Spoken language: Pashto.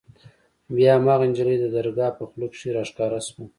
بيا هماغه نجلۍ د درګاه په خوله کښې راښکاره سوه.